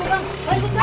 eh kak ujung